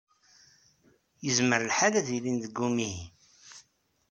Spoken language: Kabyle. Yezmer lḥal ad ilin deg umihi.